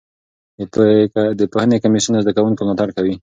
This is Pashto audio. د پوهنې کمیسیون له زده کوونکو ملاتړ کوي.